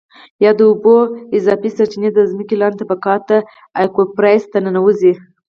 یا د اوبو اضافي سرچېنې د ځمکې لاندې طبقاتو Aquifers ته ننوځي.